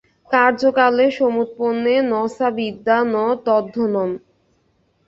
কার্যকালে সমুৎপন্নে ন সা বিদ্যা ন তদ্ধনম্।